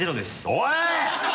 おい！